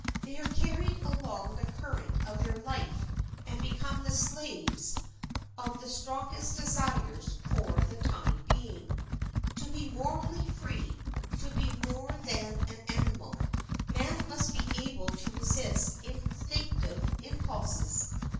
They are carried along the current of their life and become the slaves of their strongest desires for the time being. To be morally free—to be more than an animal—man must be able to resist instinctive impulses.